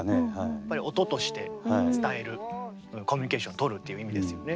やっぱり音として伝えるコミュニケーションをとるっていう意味ですよね。